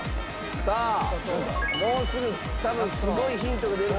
さあもうすぐ多分すごいヒントが出るかもしれない。